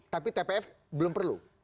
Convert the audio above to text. tapi tpp belum perlu